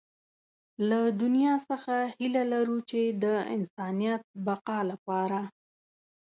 له دنيا څخه هيله لرو چې د انسانيت بقا لپاره.